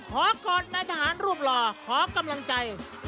ขอกอดนายทหารรูปหล่อขอกำลังใจ